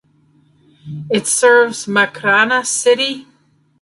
It serves Makrana City.